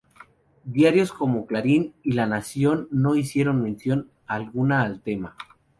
Diarios como Clarín y La Nación no hicieron mención alguna al tema.